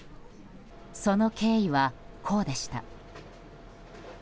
その経緯は、こうでした。